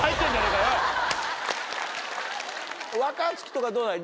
若槻とかどうなの？